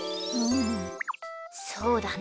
そうだね。